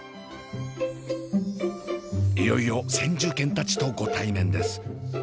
いよいよ先住犬たちとご対面です。